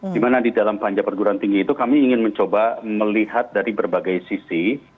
dimana di dalam panja perguruan tinggi itu kami ingin mencoba melihat dari berbagai sisi